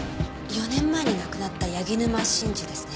４年前に亡くなった柳沼真治ですね？